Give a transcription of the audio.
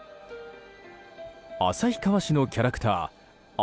旭川市のキャラクターあ